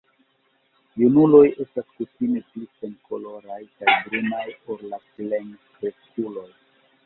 Junuloj estas kutime pli senkoloraj kaj brunaj ol la plenkreskuloj.